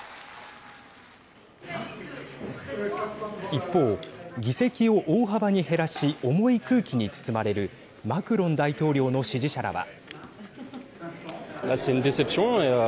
一方、議席を大幅に減らし重い空気に包まれるマクロン大統領の支持者らは。